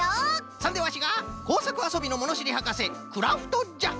そんでワシがこうさくあそびのものしりはかせクラフトじゃ！